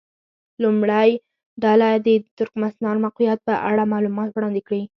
لومړۍ ډله دې د ترکمنستان موقعیت په اړه معلومات وړاندې کړي.